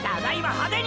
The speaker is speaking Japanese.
派手に！！